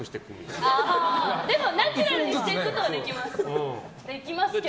でもナチュラルにしていくことはできますけど。